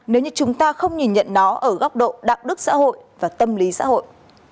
nếu như chúng ta không nhìn nhận nó ở góc độ đạo đức xã hội và tâm lý xã hội